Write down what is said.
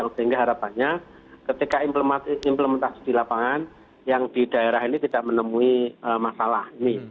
sehingga harapannya ketika implementasi di lapangan yang di daerah ini tidak menemui masalah ini